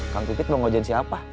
kang titik mau ngajin siapa